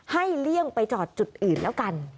เลี่ยงไปจอดจุดอื่นแล้วกัน